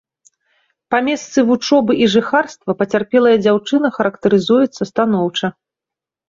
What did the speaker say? Па месцы вучобы і жыхарства пацярпелая дзяўчына характарызуецца станоўча.